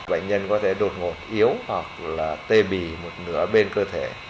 bệnh nhân có thể đột ngột yếu hoặc là tê bì một nửa bên cơ thể